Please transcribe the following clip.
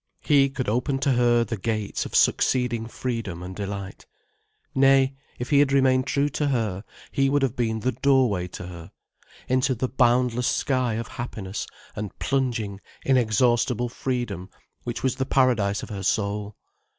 He could open to her the gates of succeeding freedom and delight. Nay, if he had remained true to her, he would have been the doorway to her, into the boundless sky of happiness and plunging, inexhaustible freedom which was the paradise of her soul.